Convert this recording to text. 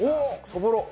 そぼろ。